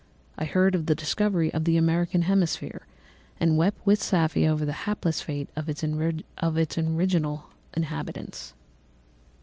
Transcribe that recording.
I heard of the discovery of the American hemisphere and wept with Safie over the hapless fate of its original inhabitants.